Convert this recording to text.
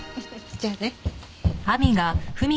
じゃあね。